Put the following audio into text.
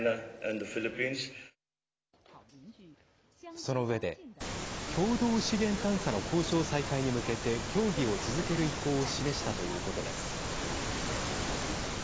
その上で共同資源探査の交渉再開に向けて協議を続ける意向を示したということです。